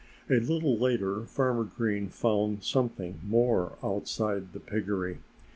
A little later Farmer Green found something more outside the piggery.